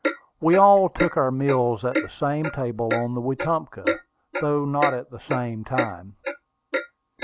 We all took our meals at the same table on the Wetumpka, though not at the same time.